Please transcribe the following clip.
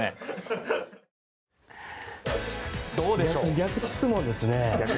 逆質問ですね。